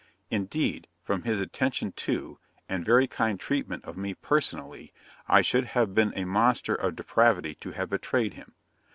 Indeed, from his attention to, and very kind treatment of me personally, I should have been a monster of depravity to have betrayed him.